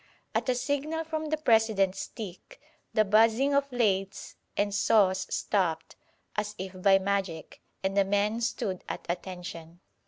At a signal from the President's stick the buzzing of lathes and saws stopped, as if by magic, and the men stood at attention.